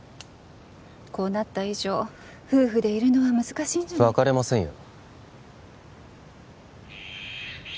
こうなった以上夫婦でいるのは難しいんじゃ別れませんよ